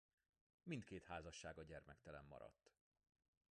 Mindkét házassága gyermektelen maradt.